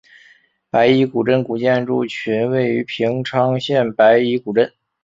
白衣古镇古建筑群位于平昌县白衣古镇。